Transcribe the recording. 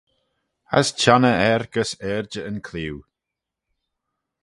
As çhionney er gys irjey yn clieau.